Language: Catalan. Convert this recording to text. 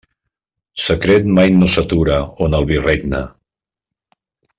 Secret mai no s'atura on el vi regna.